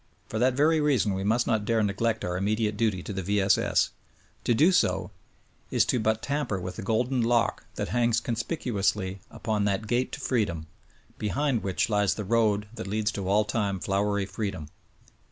For that very reason we must not dare neglect our immediate duty to the V. S. S. To so do is to but tamper with the golden lock that hangs conspicuously upon that gate to freedom, behind which lies the road that leads to all time flowery freedom.